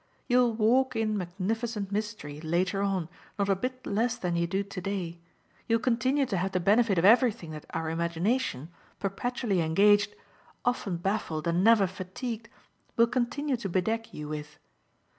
You'll walk in magnificent mystery 'later on' not a bit less than you do today; you'll continue to have the benefit of everything that our imagination, perpetually engaged, often baffled and never fatigued, will continue to bedeck you with.